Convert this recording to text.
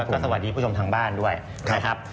แล้วก็สวัสดีผู้ชมทางบ้านด้วยนะครับ